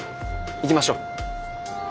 行きましょう。